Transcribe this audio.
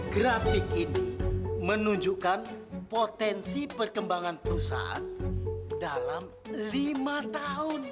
grafik ini menunjukkan potensi perkembangan perusahaan dalam lima tahun